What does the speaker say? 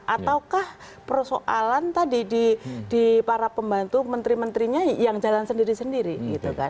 ataukah persoalan tadi di para pembantu menteri menterinya yang jalan sendiri sendiri gitu kan